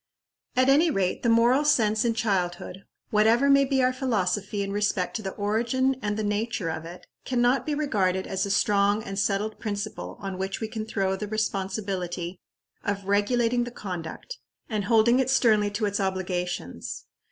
At any rate, the moral sense in childhood, whatever may be our philosophy in respect to the origin and the nature of it, can not be regarded as a strong and settled principle on which we can throw the responsibility of regulating the conduct, and holding it sternly to its obligations.